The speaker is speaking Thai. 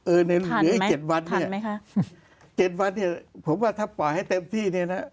ในเหลืออีก๗วันเนี่ย๗วันเนี่ยผมว่าถ้าปล่อยให้เต็มที่เนี่ยนะ